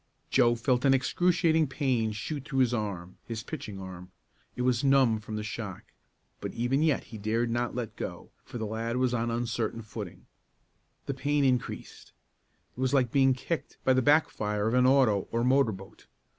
Joe felt an excruciating pain shoot through his arm his pitching arm. It was numb from the shock but even yet he did not dare let go, for the lad was on uncertain footing. The pain increased. It was like being kicked by the back fire of an auto or motor boat.